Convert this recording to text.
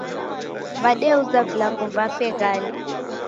W'adeuza vilambo vape ghali